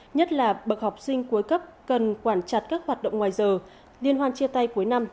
nhất là bậc học sinh cuối cấp cần quản chặt các hoạt động ngoài giờ liên hoan chia tay cuối năm